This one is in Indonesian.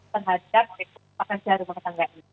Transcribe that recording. terhadap pekerja rumah tangga ini